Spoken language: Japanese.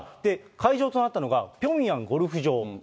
会場となったのが、ピョンヤンゴルフ場。